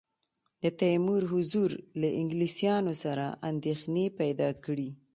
د تیمور حضور له انګلیسیانو سره اندېښنې پیدا کړې.